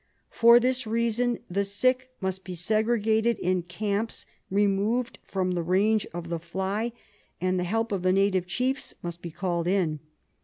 Por this reason the sick must be segregated in camps removed from the range of the fly, and the help of the native chiefs must be called in.